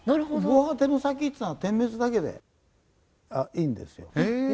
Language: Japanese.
防波堤の先っつうのは点滅だけでいいんですよ。へえ！